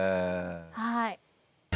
はい。